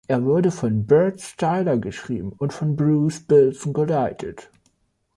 Es wurde von Burt Styler geschrieben und von Bruce Bilson geleitet.